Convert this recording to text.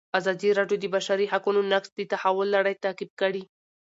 ازادي راډیو د د بشري حقونو نقض د تحول لړۍ تعقیب کړې.